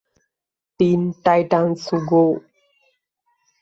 Tin Titans go!